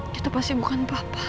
kita pasti bukan bapak